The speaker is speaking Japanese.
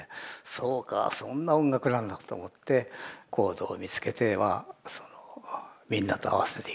そうかそんな音楽なんだと思ってコードを見つけてはそのみんなと合わせていく。